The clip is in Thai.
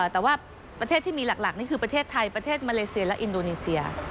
แต่ว่าประเทศที่มีหลักนี่คือประเทศไทยประเทศมาเลเซียและอินโดนีเซีย